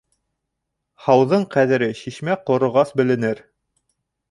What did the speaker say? Һауҙың ҡәҙере шишмә ҡороғас беленер.